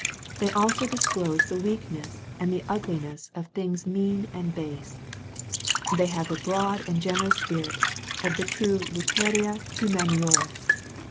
They also disclose the weakness and the ugliness of things mean and base. ' They have the broad and generous spirit of the true literoB humaniores.